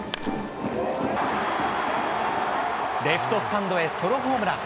レフトスタンドへソロホームラン。